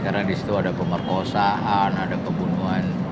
karena di situ ada pemerkosaan ada pembunuhan